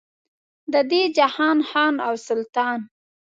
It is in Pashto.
د دې جهان خان او سلطان.